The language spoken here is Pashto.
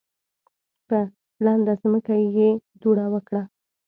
په لنده ځمکه یې دوړه وکړه.